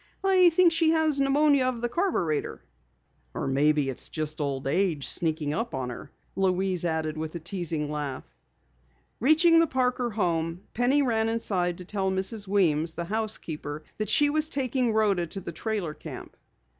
I think she has pneumonia of the carburetor." "Or maybe it's just old age sneaking up on her!" Louise added with a teasing laugh. Reaching the Parker home, Penny ran inside to tell Mrs. Weems, the housekeeper, that she was taking Rhoda to the trailer camp.